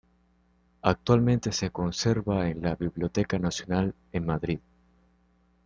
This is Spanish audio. Actualmente se conserva en la Biblioteca Nacional en Madrid.